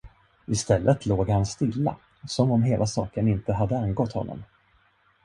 I stället låg han stilla, som om hela saken inte hade angått honom.